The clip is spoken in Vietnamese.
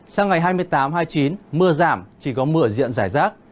sang ngày hai mươi tám hai mươi chín mưa giảm chỉ có mưa diện rải rác